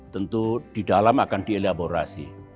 tentu di dalam akan dielaborasi